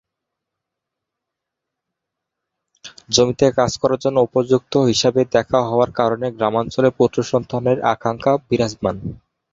কৃষি জমির পুরুষ উত্তরাধিকার, এবং পুরুষদের জমিতে কাজ করার জন্য উপযুক্ত হিসাবে দেখা হওয়ার কারণে গ্রামাঞ্চলে পুত্র সন্তানের আকাঙ্খা বিরাজমান।